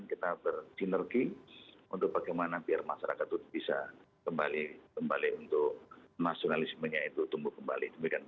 kita bersinergi untuk bagaimana biar masyarakat itu bisa kembali untuk nasionalismenya itu tumbuh kembali